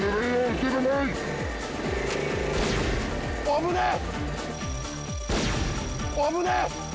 危ねえ！